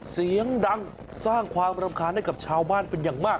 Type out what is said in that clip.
เสียงดังสร้างความรำคาญให้กับชาวบ้านเป็นอย่างมาก